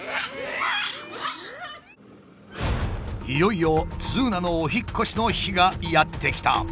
いよいよズーナのお引っ越しの日がやって来た。